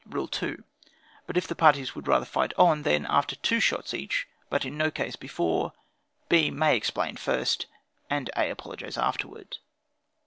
"Rule 2. But if the parties would rather fight on: then, after two shots each, (but in no case before,) B. may explain first, and A. apologize afterward.